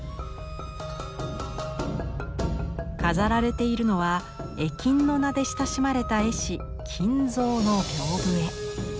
飾られているのは「絵金」の名で親しまれた絵師金蔵の屏風絵。